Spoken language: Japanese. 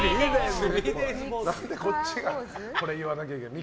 何でこっちがこれ言わなきゃいけない。